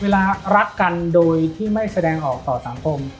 รักกันโดยที่ไม่แสดงออกต่อสังคม